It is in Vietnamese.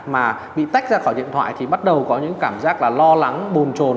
mà bị tách ra khỏi điện thoại thì bắt đầu có những cảm giác là lo lắng bùn trồn